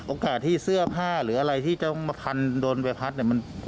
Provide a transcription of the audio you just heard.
โอกาสที่เสื้อผ้าหรืออะไรที่จะมาพันโดนใบพัดเนี่ย